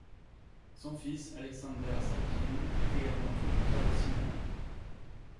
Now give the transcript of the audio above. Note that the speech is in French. Son fils, Alexander Salkind est également producteur de cinéma.